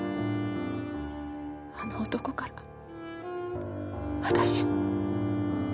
あの男から私を。